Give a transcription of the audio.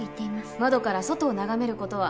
窓から外を眺めることは？